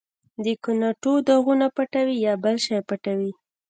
د ګناټو داغونه پټوې، یا بل شی پټوې؟